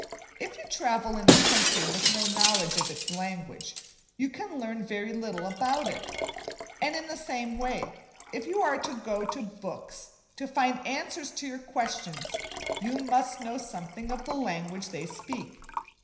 If you travel in a country with no knowledge of its language, you can learn very little about it: and in the same way if you are to go to books to find answers to your questions, you must know something of the language they speak.